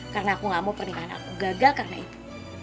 karena aku gak mau pernikahan aku gagal karena itu